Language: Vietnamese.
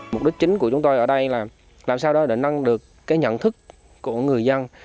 mục đích chính của chúng tôi ở đây là làm sao đó để nâng được cái nhận thức của người dân